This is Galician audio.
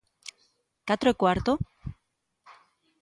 ¿Catro e cuarto?